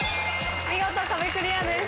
見事壁クリアです。